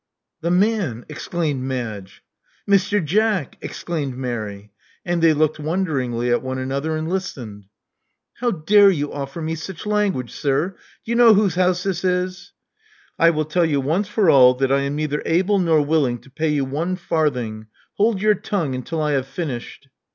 The man!" exclaimed Madge. Mr. Jack!" exclaimed Mary. And they looked wonderingly at one another, and listened. How dare you offer me sich language, sir? Do you know whose 'ouse this is?" I tell you once for all that I am neither able nor willing to pay you one farthing. Hold your tongue until I have finished."